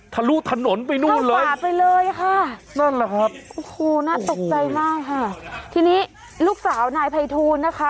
ทะลุถนนไปนู่นเลยโอ้โฮน่าตกใจมากค่ะที่นี่ลูกสาวนายพายทูณนะคะ